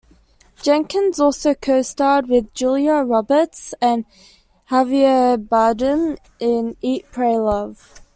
Jenkins also co-starred with Julia Roberts and Javier Bardem in "Eat Pray Love".